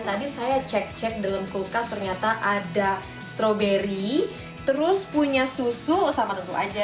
tadi saya cek cek dalam kulkas ternyata ada stroberi terus punya susu sama tentu aja